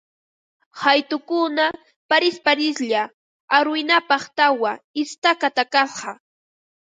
Qaytukuna parisparislla arwinapaq tawa istaka takasqa